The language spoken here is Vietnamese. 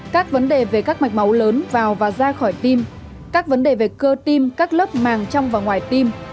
các vấn đề về các mạch máu lớn vào và ra khỏi tim các vấn đề về cơ tim các lớp màng trong và ngoài tim